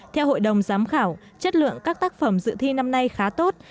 theo hội đồng giám khảo chất lượng các tác phẩm dự thi năm nay khá tốt